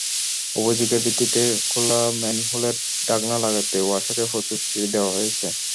অভিযোগের ভিত্তিতে খোলা ম্যানহোলের ঢাকনা লাগাতে ওয়াসাকে প্রচুর চিঠি দেওয়া হয়েছে।